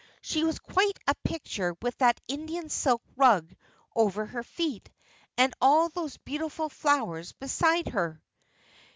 She was quite a picture with that Indian silk rug over her feet, and all those beautiful flowers beside her."